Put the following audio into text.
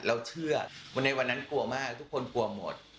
เราเชื่อว่าในวันนั้นกลัวมากทุกคนกลัวหมด